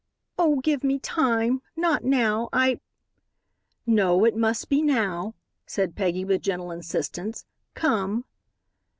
"Oh, give me time. Not now. I " "No, it must be now," said Peggy, with gentle insistence. "Come!"